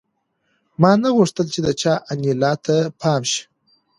ما نه غوښتل چې د چا انیلا ته پام شي